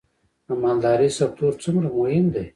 د مالدارۍ سکتور څومره مهم دی؟